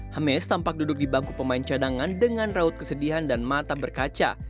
hames tampak duduk di bangku pemain cadangan dengan raut kesedihan dan mata berkaca